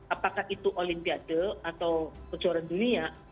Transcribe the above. apakah itu olimpiade atau kejuaraan dunia